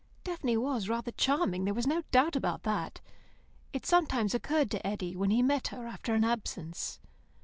Daphne was rather charming, there was no doubt about that. It sometimes occurred to Eddy when he met her after an absence.